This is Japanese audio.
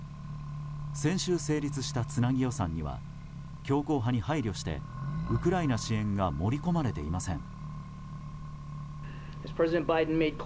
先週成立したつなぎ予算には強硬派に配慮してウクライナ支援が盛り込まれていません。